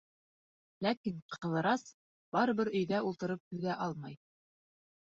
Ләкин Ҡыҙырас барыбер өйҙә ултырып түҙә алмай.